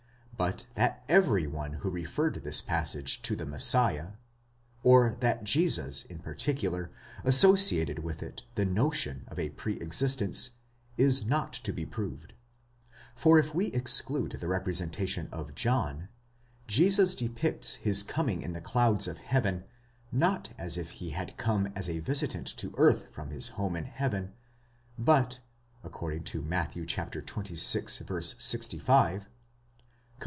But that every one who referred this passage to the Messiah, or that Jesus in particular, asso ciated with it the notion of a pre existence, is not to be proved ; for, if we exclude the representation of John, Jesus depicts his coming in the clouds of heaven, not as if he had come as a visitant to earth from his home in heaven, but, according to Matt. xxvi. 65 (comp.